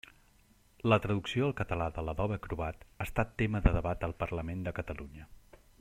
La traducció al català de l'Adobe Acrobat ha estat tema de debat al Parlament de Catalunya.